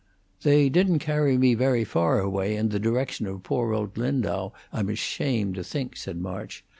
"They didn't carry me very far away in the direction of poor old Lindau, I'm ashamed to think," said March.